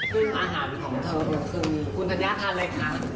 คืออาหารของเธอคือคุณธัญญาทานอะไรคะ